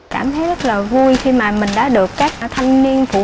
cảm thấy rất là vui khi mà mình đã được các thanh niên phụ nữ